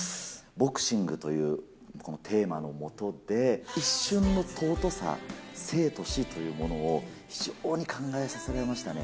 ボクシングというテーマのもとで、一瞬の尊さ、生と死というものを、非常に考えさせられましたね。